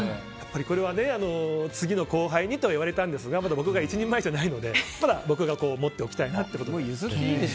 これは次の後輩にと言われたんですがまだ僕が一人前じゃないのでまだ僕が持っておきたいなと。